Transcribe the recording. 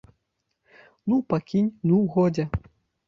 Ну, пакінь, ну, годзе.